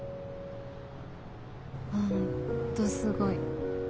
本当すごい。